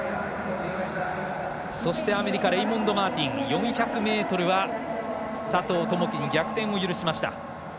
そして、アメリカレイモンド・マーティン４００ｍは佐藤友祈に逆転を許しました。